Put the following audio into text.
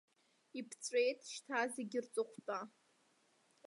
Иԥҵәеит шьҭа зегь рҵыхәтәа!